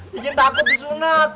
jajan takut disunat